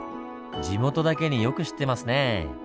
地元だけによく知ってますねぇ。